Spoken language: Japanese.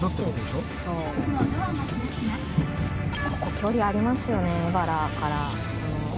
ここ距離ありますよね